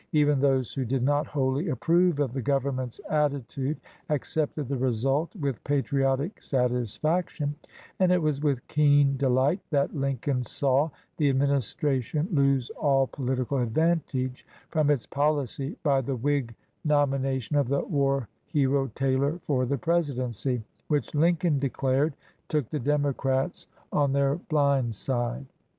Even those who did not wholly approve of the Government's attitude accepted the result with patriotic satisfaction, and it was with keen delight that Lincoln saw the administration lose all political advantage from its policy by the Whig nomin ation of the war hero Taylor for the Presidency, which, Lincoln declared, "took the Democrats on their blind side."